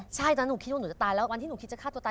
ใช่ตอนนั้นหนูคิดว่าหนูจะตายแล้ววันที่หนูคิดจะฆ่าตัวตาย